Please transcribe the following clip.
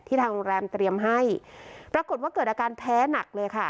ทางโรงแรมเตรียมให้ปรากฏว่าเกิดอาการแพ้หนักเลยค่ะ